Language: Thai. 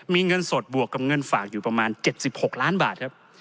มีเงินสดบวกกับเงินฝากอยู่ประมาณ๗๖ล้านบาทครับ